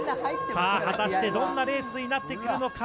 さあ、果たしてどんなレースになってくるのか。